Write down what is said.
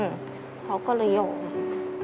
เขาก็เลยโยน